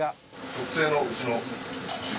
特製のうちの。